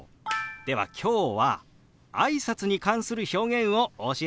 では今日はあいさつに関する表現をお教えしましょう。